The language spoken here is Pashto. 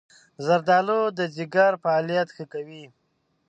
زردآلو د ځيګر فعالیت ښه کوي.